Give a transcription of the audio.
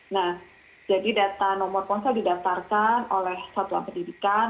nah jadi data nomor ponsel didaftarkan oleh satuan pendidikan